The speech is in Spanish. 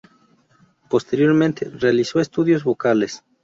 Posteriormente, realizó estudios vocales.